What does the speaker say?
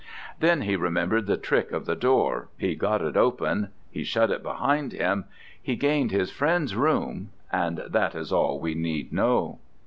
Then he remembered the trick of the door he got it open he shut it behind him he gained his friend's room, and that is all we need know.